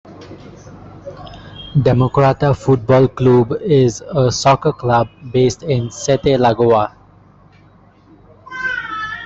Democrata Futebol Clube is a soccer club based in Sete Lagoas.